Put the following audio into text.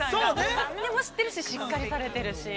何でも知っているし、しっかりされているし。